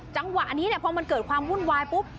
จังหวะนี้พอมันเกิดความวุ่นวายปุ๊บ